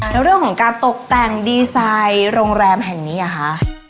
แล้วเรื่องของการตกแต่งดีไซน์โรงแรมแห่งนี้อ่ะคะ